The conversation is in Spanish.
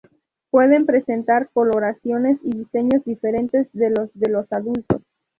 Pueden presentar coloraciones y diseños diferentes de los de los adultos.